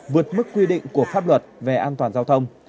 vượt mức quy định của pháp luật về an toàn giao thông